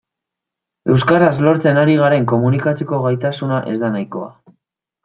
Euskaraz lortzen ari garen komunikatzeko gaitasuna ez da nahikoa.